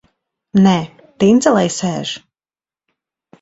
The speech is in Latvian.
Nē, Trince lai sēž!